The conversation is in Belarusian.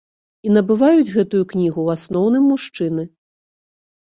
І набываюць гэтую кнігу ў асноўным мужчыны.